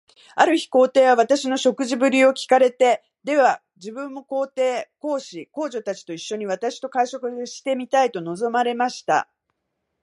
ある日、皇帝は私の食事振りを聞かれて、では自分も皇后、皇子、皇女たちと一しょに、私と会食がしてみたいと望まれました。